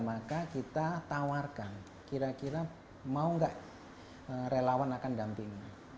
maka kita tawarkan kira kira mau nggak relawan akan damping